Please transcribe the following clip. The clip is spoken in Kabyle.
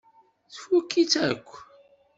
Tfukk-itt akk.